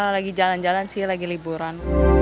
lagi jalan jalan sih lagi liburan